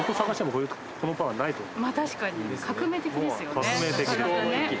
確かに。